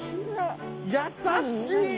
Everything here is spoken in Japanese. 優しい。